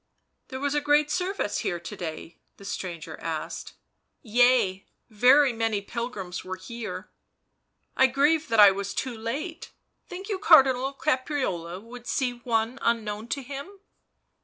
"There was a great service here to day?" the stranger asked. " Yea, very many pilgrims were here." " I grieve that I was too late — think you Cardinal Caprarola would see one unknown to him?"